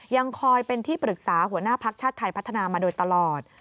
ยังคอยเป็นที่ปรึกษาหัวหน้าภักดิ์ชาติไทยพัฒนามาโดยตลอด